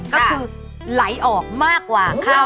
ก็คือไหลออกมากว่าข้าว